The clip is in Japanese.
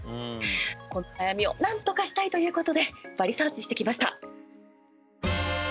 この悩みをなんとかしたいということでバリサーチしてきました。